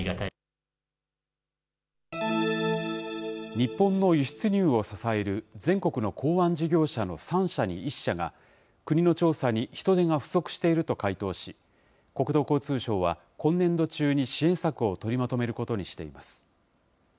日本の輸出入を支える全国の港湾事業者の３社に１社が、国の調査に人出が不足していると回答し、国土交通省は、今年度中に支援策を取りまとめることにしています。